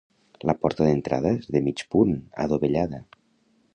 La porta d'entrada és de mig punt, adovellada.